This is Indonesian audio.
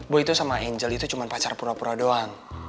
boy tuh sama angel itu cuman pacar pura pura doang